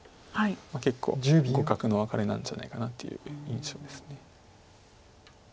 結構互角のワカレなんじゃないかなっていう印象です。